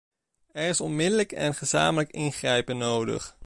Er is onmiddellijk en gezamenlijk ingrijpen nodig.